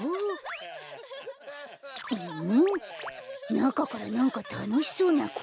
なかからなんかたのしそうなこえが。